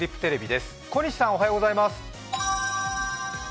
小西さん、おはようございます。